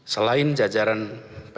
selain jajaran pemprov